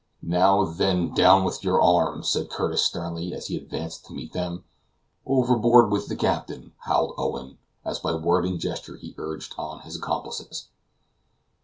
"Now, then, down with your arms!" said Curtis sternly, as he advanced to meet them. "Overboard with the captain!" howled Owen, as by word and gesture he urged on his accomplices.